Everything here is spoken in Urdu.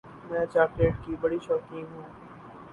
میں چاکلیٹ کی بڑی شوقین ہوں۔